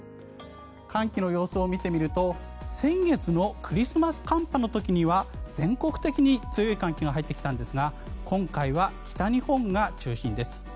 寒気の様子を見てみると先月のクリスマス寒波の時には全国的に強い寒気が入ってきたんですが今回は北日本が中心です。